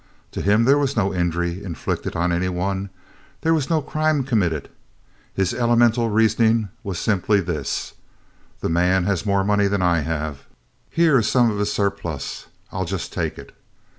To him there was no injury inflicted on any one, there was no crime committed. His elemental reasoning was simply this: This man has more money than I have; here is some of his surplus, I 'll just take it.